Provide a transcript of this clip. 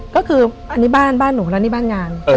ก็คืออันนี้บ้านบ้านหนูแล้วนี่บ้านงาน